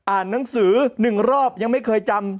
หนังสือ๑รอบยังไม่เคยจำ